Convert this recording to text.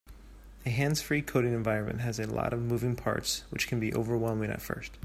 A hands-free coding environment has a lot of moving parts, which can be overwhelming at first.